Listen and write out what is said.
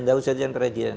tidak usah izin presiden